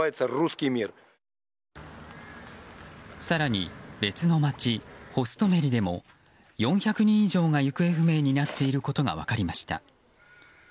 更に別の街、ホストメリでも４００人以上が行方不明になっていることが分かりました。